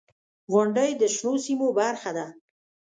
• غونډۍ د شنو سیمو برخه ده.